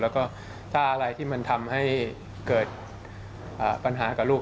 แล้วก็ถ้าอะไรที่มันทำให้เกิดปัญหากับลูก